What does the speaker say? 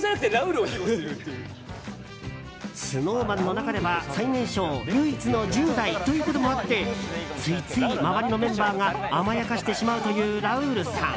ＳｎｏｗＭａｎの中では最年少唯一の１０代ということもあってついつい周りのメンバーが甘やかしてしまうというラウールさん。